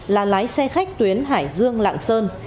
là lái xe khách tuyến hải dương lạng sơn